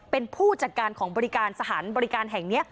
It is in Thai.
เป็นผู้จัดการของบริการสถานบริการแห่งนี้